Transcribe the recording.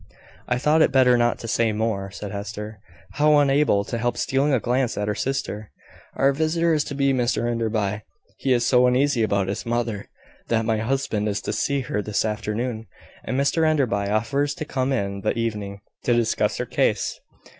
"I thought it better not to say more," said Hester, now unable to help stealing a glance at her sister. "Our visitor is to be Mr Enderby. He is so uneasy about his mother, that my husband is to see her this afternoon; and Mr Enderby offers to come in the evening, to discuss her case."